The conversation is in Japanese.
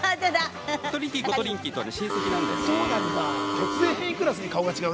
トリンキーコトリンキーとは親戚なんだよね。